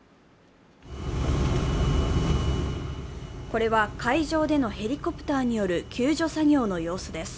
これは海上でのヘリコプターによる救助作業の様子です。